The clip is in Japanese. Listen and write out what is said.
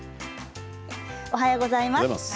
おはようございます。